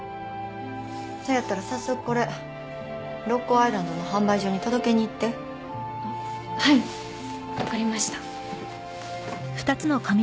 せやったら早速これ六甲アイランドの販売所に届けにいってあっはいわかりました